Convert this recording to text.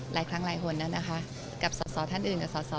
หลายครั้งหลายคนนั้นนะคะกับสอสอท่านอื่นกับสอสอ